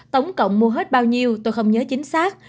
tổng cộng mua hết bao nhiêu tôi không nhớ chính xác